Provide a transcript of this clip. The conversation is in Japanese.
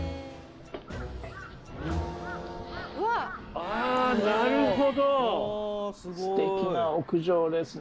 あなるほど素敵な屋上ですね。